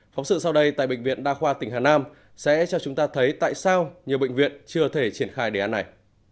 phóng sự sau đây tại bệnh viện đa khoa tỉnh hà nam sẽ cho chúng ta thấy tại sao nhiều bệnh viện chưa thể triển khai đề án này